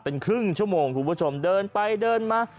เป็นครึ่งชั่วโมงคุณผู้ชมเดินไปเดินมา